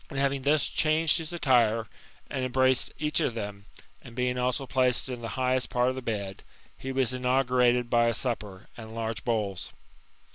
And having thus changed his attire, and embraced each of them, and being also placed in the highest part of the bed, he was inaugurated by a supper, and large bowls.